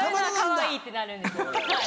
かわいいってなるんですはい。